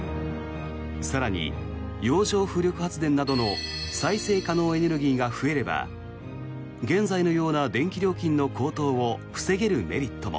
更に、洋上風力発電などの再生可能エネルギーが増えれば現在のような電気料金の高騰を防げるメリットも。